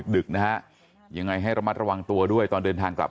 ดึกนะฮะยังไงให้ระมัดระวังตัวด้วยตอนเดินทางกลับ